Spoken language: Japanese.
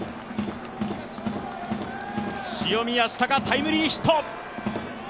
塩見泰隆、タイムリーヒット。